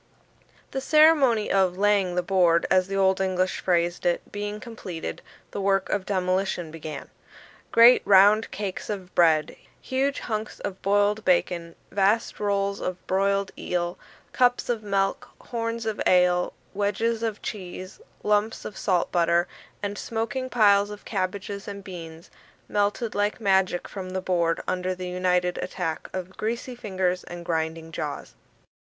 The ceremony of "laying the board," as the Old English phrased it, being completed, the work of demolition began. Great round cakes of bread huge junks of boiled bacon vast rolls of broiled eel cups of milk horns of ale wedges of cheese lumps of salt butter and smoking piles of cabbages and beans, melted like magic from the board under the united attack of greasy fingers and grinding jaws.